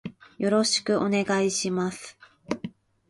よろしくお願いします。